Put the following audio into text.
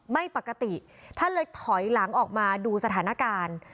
ไม่ปกติท่านเลยถอยหลังออกมาดูสถานการณ์